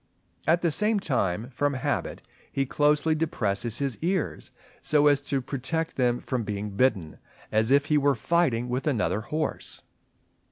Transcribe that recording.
At the same time from habit he closely depresses his ears, so as to protect them from being bitten, as if he were fighting with another horse.